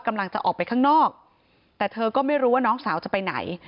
กำลังจะออกไปข้างนอกแต่เธอก็ไม่รู้ว่าน้องสาวจะไปไหน